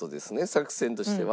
作戦としては。